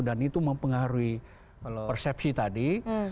dan itu mempengaruhi persepsi tadi